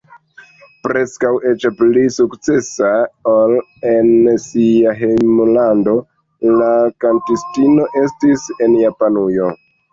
Preskaŭ eĉ pli sukcesa ol en sia hejmlando la kantistino estis en Japanujo.